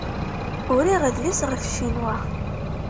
Uriɣ adlis ɣef Ccinwa.